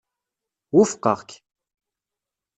Wufqeɣ-k.